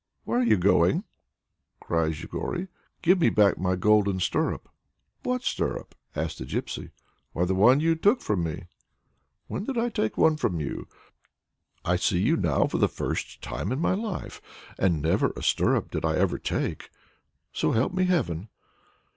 "Where are you going?" cries Yegory. "Give me back my golden stirrup." "What stirrup?" asks the Gypsy. "Why, the one you took from me." "When did I take one from you? I see you now for the first time in my life, and never a stirrup did I ever take, so help me Heaven!"